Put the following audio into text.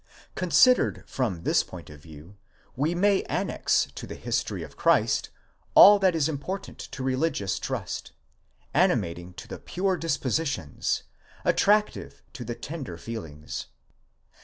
Considered from this point of view, we may annex to the history of Christ all that is important to religious trust, animating to the pure dispositions, attractive to the tender feelings.